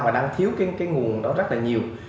và đang thiếu cái nguồn đó rất là nhiều